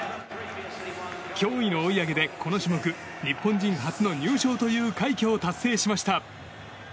驚異の追い上げで、この種目日本人初の入賞という快挙を達成しました。